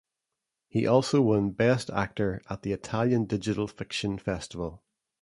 He also won best actor at the Italian Digital Fiction Festival.